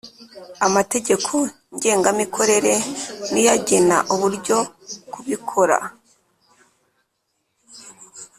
amategeko ngengamikorere ni yo agena uburyo kubikora